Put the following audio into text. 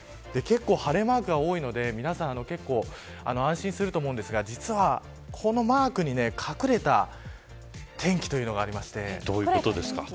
晴れ間が多いので皆さん安心すると思いますが実は、このマークに隠れた天気というのがあります。